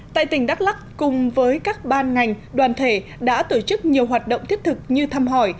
tại tỉnh đắk lắc cùng với các ban ngành đoàn thể đã tổ chức nhiều hoạt động thiết thực như thăm hỏi